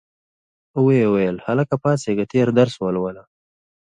ویې ویل هلکه پاڅیږه تېر درس ولوله.